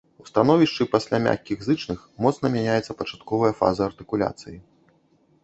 У становішчы пасля мяккіх зычных моцна мяняецца пачатковая фаза артыкуляцыі.